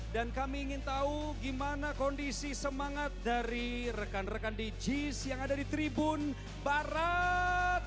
dan kami ingin tahu gimana kondisi semangat dari rekan rekan djs yang ada di tribun barat